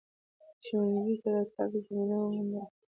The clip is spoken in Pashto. ښونځیو ته د تگ زمینه وموندله